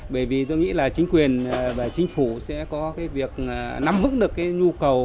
bởi vì tôi nghĩ là chính quyền và chính phủ sẽ có cái việc nắm vững được cái nhu cầu